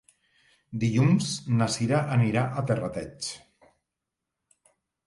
Dilluns na Cira anirà a Terrateig.